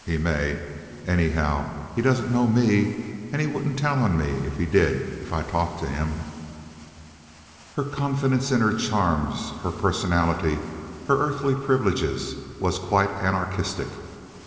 He may. Anyhow, he doesn't know me; and he wouldn't tell on me if he did if I talked to him." Her confidence in her charms, her personality, her earthly privileges was quite anarchistic.